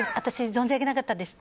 存じ上げなかったです。